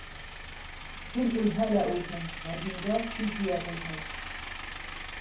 Кем үлһә лә үлһен, мәзингә фидия булһын.